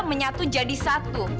menyatu jadi satu